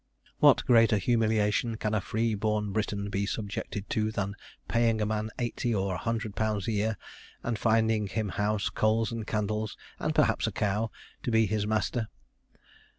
What greater humiliation can a free born Briton be subjected to than paying a man eighty or a hundred pounds a year, and finding him house, coals, and candles, and perhaps a cow, to be his master?